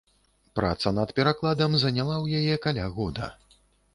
Праца над перакладам заняла ў яе каля года.